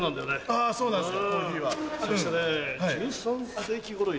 あそうなんですか。